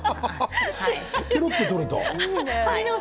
ぺろっと取れた。